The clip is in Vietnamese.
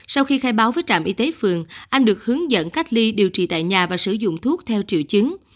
sau khi khai báo với trạm y tế phường anh được hướng dẫn cách ly điều trị tại nhà và sử dụng thuốc theo triệu chứng